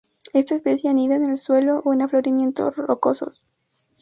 Esta especie anida en el suelo o en afloramientos rocosos.